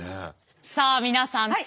さあ皆さん。